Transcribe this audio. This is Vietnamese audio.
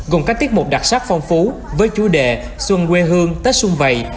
gồm các tiết mục đặc sắc phong phú với chủ đề xuân quê hương tết xuân vầy